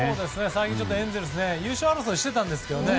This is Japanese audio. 最近、エンゼルスね優勝争いしていたんですけどね